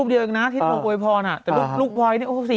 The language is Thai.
คิดแกล้กนะแล้วต้องป๊อกพี่ก่อน